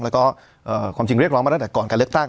แล้วก็ความจริงเรียกร้องมาตั้งแต่ก่อนการเลือกตั้ง